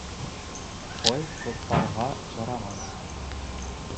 Қой көкпарға жарамас.